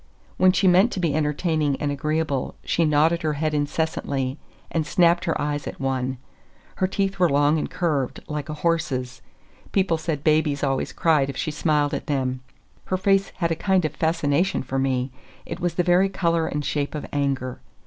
When she meant to be entertaining and agreeable, she nodded her head incessantly and snapped her eyes at one. Her teeth were long and curved, like a horse's; people said babies always cried if she smiled at them. Her face had a kind of fascination for me; it was the very color and shape of anger.